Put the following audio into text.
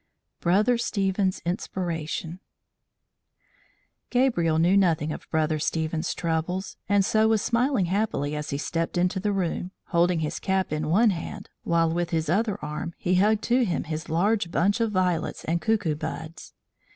BROTHER STEPHEN'S INSPIRATION GABRIEL knew nothing of Brother Stephen's troubles, and so was smiling happily as he stepped into the room, holding his cap in one hand, while with his other arm he hugged to him his large bunch of violets and cuckoo buds.